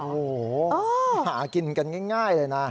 โอ้โหหากินกันง่ายเลยนะ